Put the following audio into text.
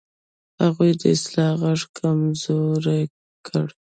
هغوی د اصلاح غږ کمزوری کړ.